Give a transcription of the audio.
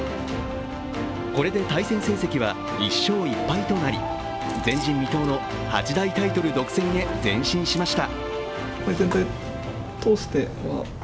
これで対戦成績は１勝１敗となり前人未到の八大タイトル独占へ前進しました。